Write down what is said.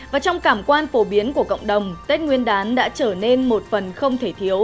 và trong cảm quan phổ biến của cộng đồng tết nguyên đán đã trở nên một phần không thể thiếu